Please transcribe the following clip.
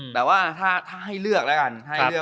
แต่ว่าถ้าให้เลือกแล้วกัน